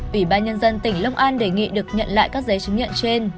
ủy ban nhân dân tỉnh long an đề nghị được nhận lại các giấy chứng nhận trên